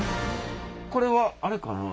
これはあれかな？